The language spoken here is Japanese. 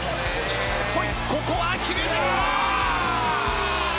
ここは決めてきた！